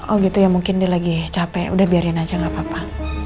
oh gitu ya mungkin dia lagi capek udah biarin aja gak apa apa